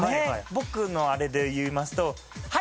僕のあれで言いますと。